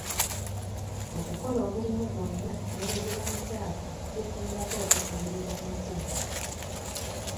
Okukola omulimu gwonna ne bwe guba mukyafu kisingako okusabiriza n'okubba.